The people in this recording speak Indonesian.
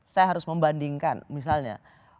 saya harus membandingkan misalnya